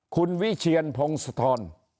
คุณวิเชียนพงศธร